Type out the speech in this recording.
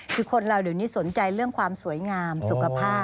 คือคนเราเดี๋ยวนี้สนใจเรื่องความสวยงามสุขภาพ